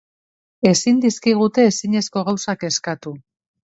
Ezin dizkigute ezinezko gauzak eskatu.